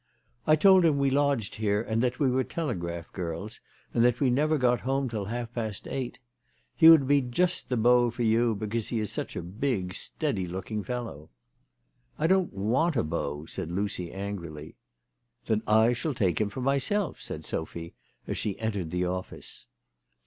"I told him we lodged here and that we were telegraph girls, and that we never got home till half past eight. He would be just the beau for you because he is such a big steady looking fellow." " I don't want a beau," said Lucy angrily. " Then I shall take him myself," said Sophy as she entered the office.